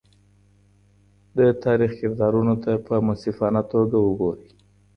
د تاریخ کردارونو ته په منصفانه سترګه وګورئ.